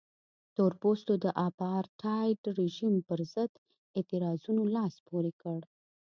تور پوستو د اپارټایډ رژیم پرضد اعتراضونو لاس پورې کړ.